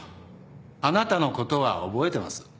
あなたのことは覚えてます。